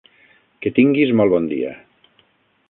Que tinguis molt bon dia!